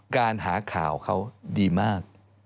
การหาข่าวเขาดีมาก